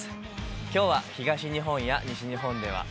きょうは東日本や西日本では雨。